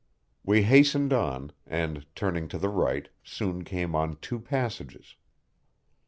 We hastened on, and, turning to the right, soon came on two passages.